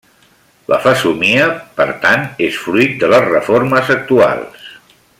La fesomia, per tant, és fruit de les reformes actuals.